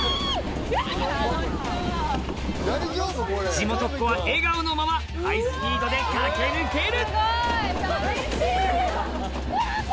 地元っ子は笑顔のままハイスピードで駆け抜ける！